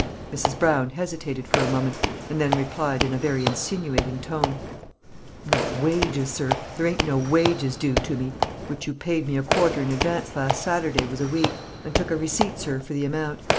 Mrs. Brown hesitated for a moment, and then replied, in a very insinuating tone, "Not wages, sir; there ain't no wages doo to me, which you paid me a quarter in advance last Saturday was a week, and took a receipt, sir, for the amount.